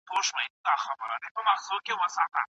دا ساتنه له بد نظر سره تړل کېږي.